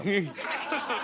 アハハハ。